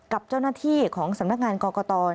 กับเจ้นาธิของสำนักงานกรกต